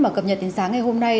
mà cập nhật đến sáng ngày hôm nay